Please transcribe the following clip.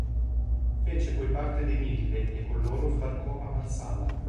Fece poi parte dei Mille e con loro sbarcò a Marsala.